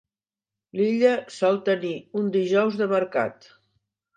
L'illa sol tenir un dijous de mercat.